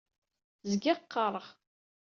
Zgiɣ qqareɣ.